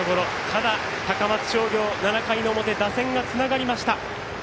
ただ、高松商業７回の表、打線がつながりました。